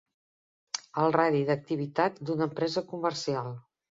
El radi d'activitat d'una empresa comercial.